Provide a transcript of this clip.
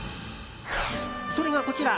それが、こちら。